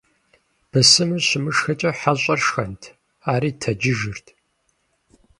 Бысымыр щымышхэкӀэ, хьэщӀэр шхэнт - ари тэджыжырт.